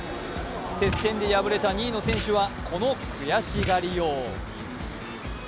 接戦で敗れた２位の選手はこの悔しがりよう。